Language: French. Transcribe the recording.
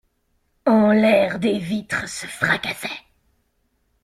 En l'air des vitres se fracassaient.